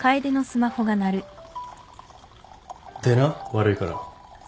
出な悪いから。